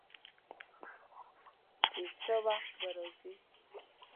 چې څه وخت به راځي.